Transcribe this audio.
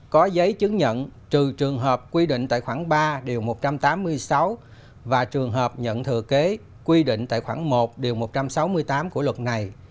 có giấy chứng nhận trừ trường hợp quy định tài khoản ba điều một trăm tám mươi sáu và trường hợp nhận thừa kế quy định tài khoản một điều một trăm sáu mươi tám của luật này